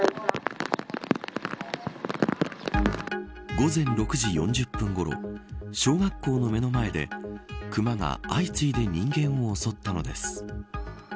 午前６時４０分ごろ小学校の目の前でクマが相次いで人間を襲ったのです。